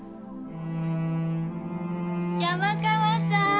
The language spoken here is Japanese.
山川さーん！